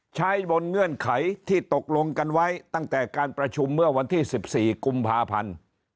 ใช้บนเงื่อนไขที่ตกลงกันไว้ตั้งแต่การประชุมเมื่อวันที่๑๔กุมภาพันธ์